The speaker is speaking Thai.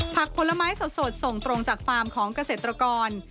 ผลไม้สดส่งตรงจากฟาร์มของเกษตรกร